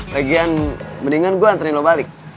lagian mendingan gue anterin lo balik